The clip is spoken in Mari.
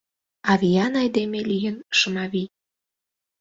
А виян айдеме лийын Шымавий.